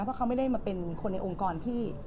เพราะเขาไม่ได้มาเป็นคนในองค์กรพี่